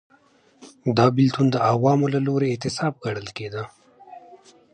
دا بېلتون د عوامو له لوري اعتصاب ګڼل کېده.